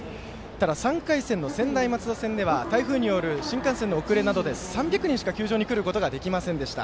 ただ、３回戦の専大松戸戦では台風による新幹線の遅れなどで３００人しか球場に来ることができませんでした。